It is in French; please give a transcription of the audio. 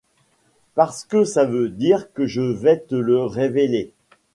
parce que ça veut dire que je vais te le révéler.